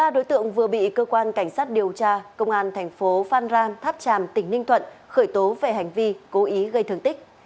ba đối tượng vừa bị cơ quan cảnh sát điều tra công an thành phố phan rang tháp tràm tỉnh ninh thuận khởi tố về hành vi cố ý gây thương tích